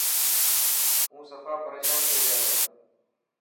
هون سفا پريشان ٿي گيو هان.